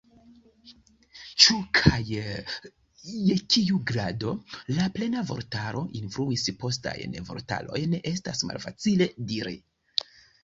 Ĉu kaj je kiu grado la "Plena Vortaro" influis postajn vortarojn, estas malfacile diri.